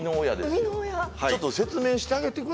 ちょっと説明してあげて下さい。